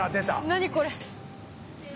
何これ？